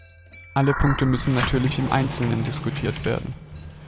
Alle Punkte müssen natürlich im einzelnen diskutiert werden.